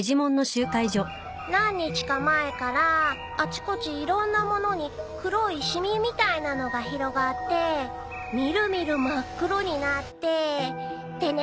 何日か前からあちこちいろんなものに黒い染みみたいなのが広がって見る見る真っ黒になってでね